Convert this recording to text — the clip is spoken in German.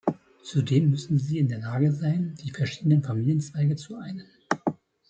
Zudem müssen sie in der Lage sein, die verschiedenen Familienzweige zu einen.